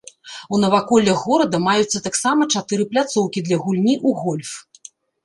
У наваколлях горада маюцца таксама чатыры пляцоўкі для гульні ў гольф.